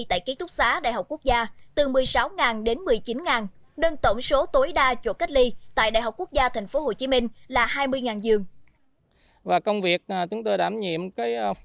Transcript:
tại ký túc xá đại học quốc gia từ một mươi sáu đến một mươi chín đơn tổng số tối đa chỗ cách ly tại đại học quốc gia tp hcm là hai mươi giường